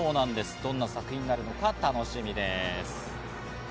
どんな作品になるのか楽しみです。